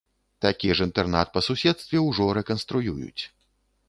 Такі ж інтэрнат па суседстве ўжо рэканструююць.